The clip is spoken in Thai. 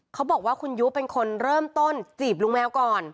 เขาบอกว่าคุณยุเป็นคนเริ่มต้นจีบลุงแมวก่อน